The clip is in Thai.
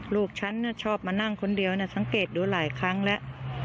ลูกฉันชอบมานั่งคนเดียวสังเกตดูหลายครั้งแล้ว